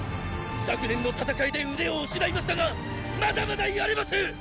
昨年の戦いで腕を失いましたがまだまだやれます！